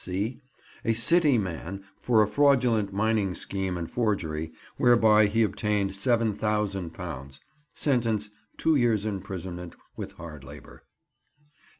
(c) A City man, for a fraudulent mining scheme and forgery, whereby he obtained £7000: sentence, two years' imprisonment with hard labour.